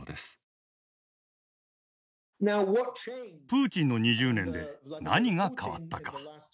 プーチンの２０年で何が変わったか。